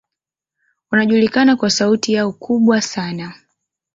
Wanajulikana kwa sauti yao kubwa sana.